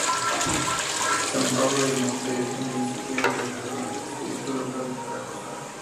San Pablo del Monte es un municipio integrado al Distrito Local de Zaragoza.